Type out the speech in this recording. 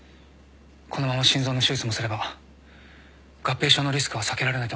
このまま心臓の手術もすれば合併症のリスクは避けられないと思います。